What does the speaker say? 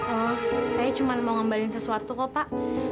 oh saya cuma mau ngembalin sesuatu kok pak